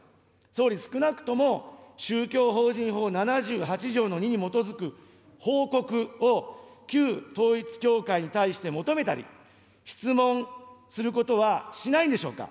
総理、少なくとも宗教法人法７８条の２に基づく報告を旧統一教会に対して求めたり、質問することはしないんでしょうか。